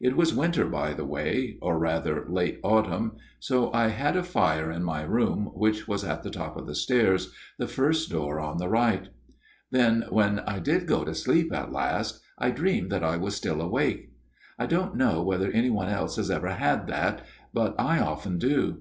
It was winter, by the way or rather, late autumn so I had a fire in my room, which was at the top of the stairs, the first door on the right. 222 A MIRROR OF SHALOTT Then, when I did go to sleep at last, I dreamed that I was still awake. I don't know whether any one else has ever had that ; but I often do.